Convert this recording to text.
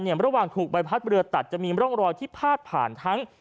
ระหว่างถูกใบพัดเรือตัดจะมีร่องรอยที่พาดผ่านทั้ง